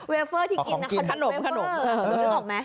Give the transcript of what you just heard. เวเฟอร์ที่กินนะคะขนม